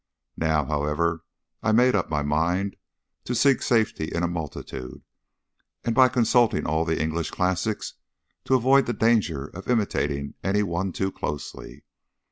Now, however, I made up my mind to seek safety in a multitude, and by consulting all the English classics to avoid?? the danger of imitating any one too closely.